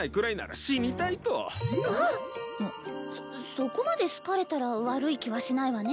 そこまで好かれたら悪い気はしないわね。